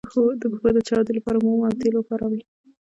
د پښو د چاودیدو لپاره موم او تېل وکاروئ